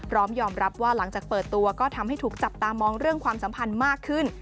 พร้อมยอมรับว่าหลังจากเปิดตัวก็ทำให้ถูกจับตามองเรื่องความสัมพันธ์มากขึ้น